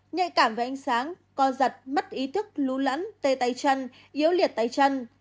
nhạy cảm với ánh sáng co giật mất ý thức lú lẫn tê tay chân yếu liệt tay chân